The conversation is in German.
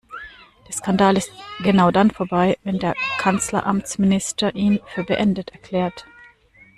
Der Skandal ist genau dann vorbei, wenn der Kanzleramtsminister ihn für beendet erklärt.